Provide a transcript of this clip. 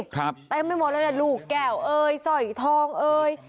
แต่ยังไม่หมดเลยนะลูกแก่วเอ่ยสอยทองเอ่ย